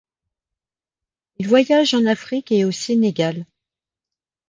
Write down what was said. Il voyage en Afrique et au Sénégal.